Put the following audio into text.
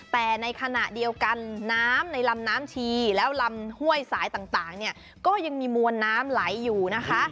แต่ในขณะเดียวกันน้ำในลำน้ำชีแล้วลำห้วยสายต่างเนี่ยก็ยังมีมวลน้ำไหลอยู่นะคะ